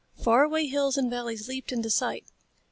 Far away hills and valleys leaped into sight.